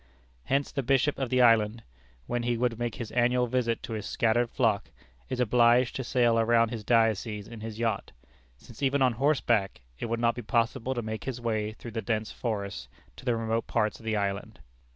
Hence the bishop of the island, when he would make his annual visit to his scattered flock, is obliged to sail around his diocese in his yacht, since even on horseback it would not be possible to make his way through the dense forests to the remote parts of the island.